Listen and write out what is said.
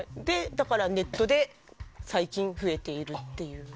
だからネットで最近、増えているっていう。